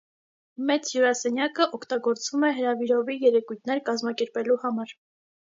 Մեծ հյուրասենյակը օգտագործվում է հրավիրովի երեկույթներ կազմակերպելու համար։